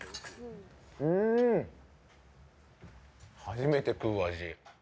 初めて食う味。